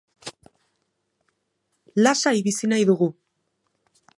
Lasai bizi nahi dugu.